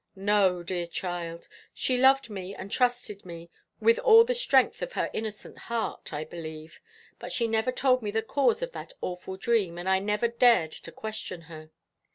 "No, dear child. She loved me and trusted me with all the strength of her innocent heart, I believe; but she never told me the cause of that awful dream. And I never dared to question her.